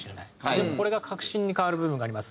でもこれが確信に変わる部分があります。